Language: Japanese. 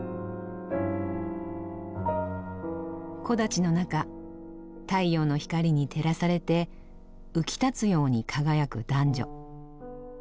木立の中太陽の光に照らされて浮き立つように輝く男女。